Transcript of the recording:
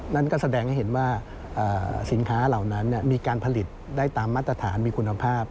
นั่นก็แสดงให้เห็นว่าสินค้าเหล่านั้นมีการผลิตได้ตามมาตรฐานมีคุณภาพ